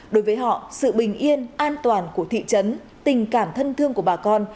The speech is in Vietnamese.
đối với họ sự bình yên an toàn của thị trấn tình cảm thân thương của bà con